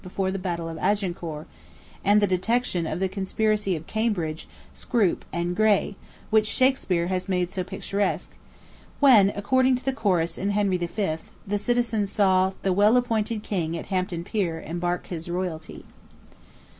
before the battle of Agincourt, and the detection of the conspiracy of Cambridge, Scroop, and Grey, which Shakspeare has made so picturesque; when, according to the chorus in Henry V., the citizens saw The well appointed King at Hampton Pier Embark his royalty.